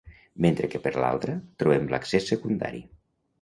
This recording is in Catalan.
Mentre que per l’altra, trobem l’accés secundari.